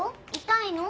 痛いの？